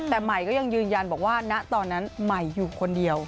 แต่ใหม่ก็ยังยืนยันบอกว่าณตอนนั้นใหม่อยู่คนเดียว